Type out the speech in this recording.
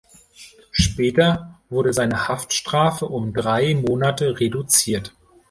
Später wurde seine Haftstrafe um drei Monate reduziert.